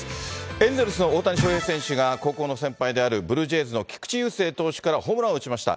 エンゼルスの大谷翔平選手が、高校の先輩であるブルージェイズの菊池雄星投手からホームランを打ちました。